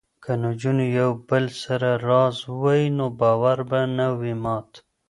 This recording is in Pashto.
که نجونې یو بل سره راز ووايي نو باور به نه وي مات.